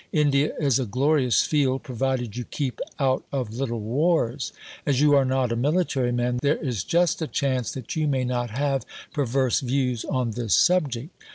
India is a glorious field, provided you keep out of "little wars." As you are not a military man, there is just a chance that you may not have perverse views on this subject.